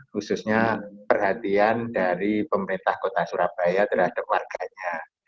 khususnya perhatian dari pemerintah kota surabaya terhadap warganya